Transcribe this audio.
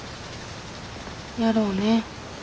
やろうね。